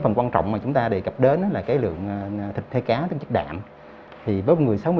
phần quan trọng mà chúng ta đề cập đến là cái lượng thịt hay cá trong chất đạm thì với một người sáu mươi